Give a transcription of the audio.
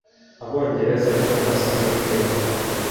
Abongerezaagera i Mombasa muri Kenya